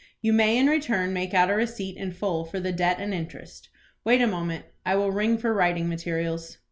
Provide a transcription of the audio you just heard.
You may in return make out a receipt in full for the debt and interest. Wait a moment. I will ring for writing materials."